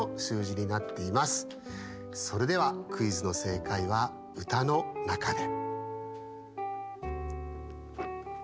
それではクイズの正解はうたのなかで。